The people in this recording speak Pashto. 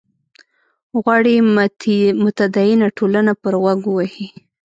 غواړي متدینه ټولنه پر غوږ ووهي.